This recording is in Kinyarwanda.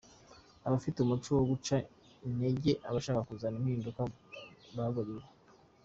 Abafite umuco wo guca Intege abashaka kuzana impinduka baburiwe.